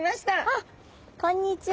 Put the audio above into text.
あこんにちは。